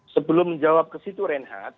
sebelum menjawab ke situ reinhardt